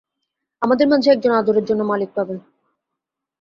আমাদের মাঝে একজন আদরের জন্য মালিক পাবে।